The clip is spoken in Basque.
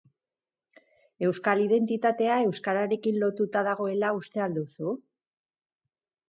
Euskal identitatea euskararekin lotuta dagoela uste al duzu?